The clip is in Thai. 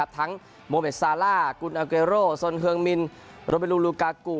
โมเมดซาล่ากุลอาเกโรสนเฮืองมินโรเบลูลูกากู